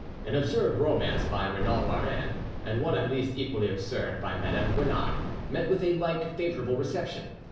An absurd romance by Regnault Warin, and one at least equally absurd by Madame Guenard, met with a like favourable reception.